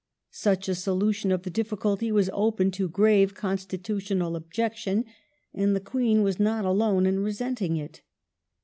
Such a solution of the difficulty was open to gi ave constitutional objection, and the Queen was not alone in resenting it.